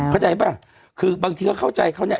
เข้าใจป่ะคือบางทีก็เข้าใจเขาเนี่ย